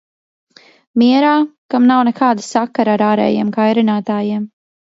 Mierā, kam nav nekāda sakara ar ārējiem kairinātājiem.